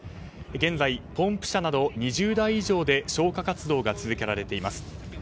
現在、ポンプ車２０台以上で消火活動が続けられています。